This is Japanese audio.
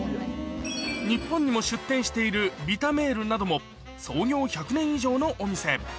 日本にも出店しているヴィタメールなども創業１００年以上のお店